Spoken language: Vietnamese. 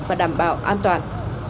và đảm bảo an toàn